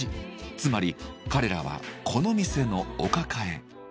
つまり彼らはこの店のお抱え。